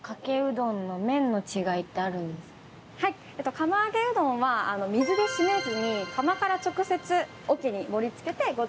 釜揚げうどんは水で締めずに釜から直接桶に盛り付けてご提供する。